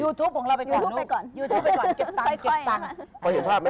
ยูทูปของเราไปก่อนยูทูปไปก่อนเก็บตังค์